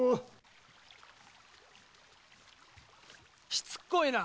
しつこいな！